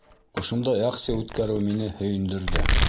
Ошондай акция үткәреү мине һөйөндөрҙө.